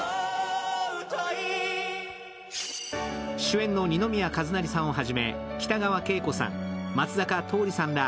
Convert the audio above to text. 主演の二宮和也さんをはじめ、北川景子さん、松坂桃李さんら